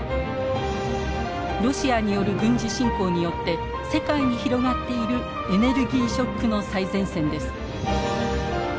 ロシアによる軍事侵攻によって世界に広がっているエネルギーショックの最前線です。